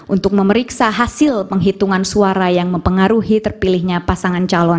untuk memeriksa hasil penghitungan suara yang mempengaruhi terpilihnya pasangan calon